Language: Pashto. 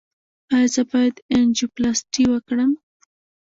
ایا زه باید انجیوپلاسټي وکړم؟